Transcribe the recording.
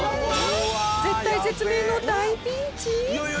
絶体絶命の大ピンチ。